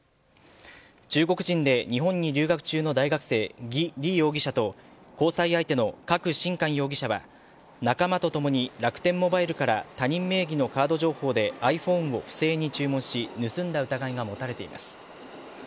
中国人で日本に留学中の大学生ギ・リ容疑者と交際相手のカク・シンカン容疑者は仲間とともに楽天モバイルから他人名義のカード情報でｉＰｈｏｎｅを不正に注文し盗んだ疑いが持たれています。